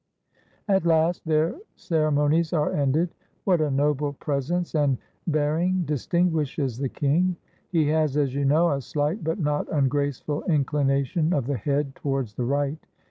At last their ceremonies are ended. What a noble presence and bear ing distinguishes the king ! He has, as you know, a slight but not ungraceful inclination of the head towards the right.